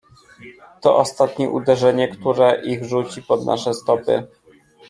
"To ostatnie uderzenie, które ich rzuci pod nasze stopy."